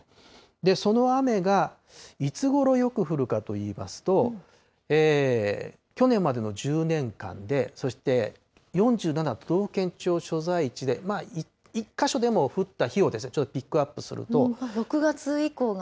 その雨が、いつごろよく降るかといいますと、去年までの１０年間で、そして４７都道府県庁所在地で、１か所でも降った日をピックアッ６月以降が。